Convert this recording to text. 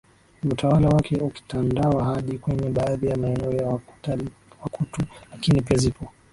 Juu utawala wake ukitandawaa hadi kwenye baadhi ya maeneo ya WakutuLakini pia zipo